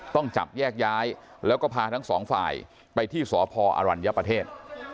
ต้องจับแยกย้ายแล้วก็พาทั้งสองฝ่ายไปที่สพอรัญญประเทศ